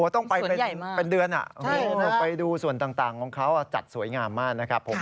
ต้องไปเป็นเดือนไปดูส่วนต่างของเขาจัดสวยงามมากนะครับผม